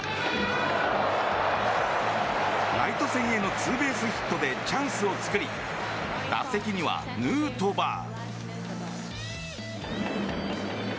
ライト線へのツーベースヒットでチャンスを作り打席にはヌートバー。